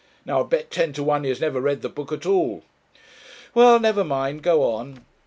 'Now, I'll bet ten to one he has never read the book at all well, never mind go on.'